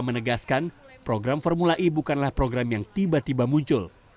menegaskan program formula e bukanlah program yang tiba tiba muncul